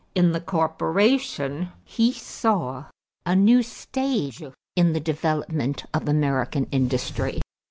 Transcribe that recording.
In the corporation he saw a new stage in the development of American industry.